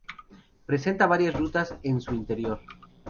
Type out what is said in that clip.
Presenta varias rutas en su interior.